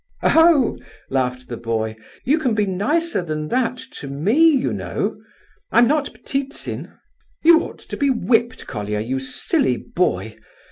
"Oho!" laughed the boy, "you can be nicer than that to me, you know—I'm not Ptitsin!" "You ought to be whipped, Colia, you silly boy.